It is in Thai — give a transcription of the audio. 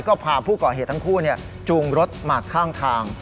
ก็พาผู้ก่อเหตุทั้งคู่จูงรถมาข้างทาง